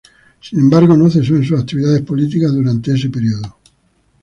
Sin embargo, no cesó en sus actividades políticas durante ese periodo.